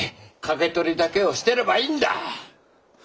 掛け取りだけをしてればいいんだ！